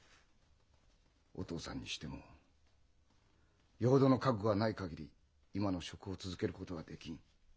お父さんにしてもよほどの覚悟がないかぎり今の職を続けることはできん。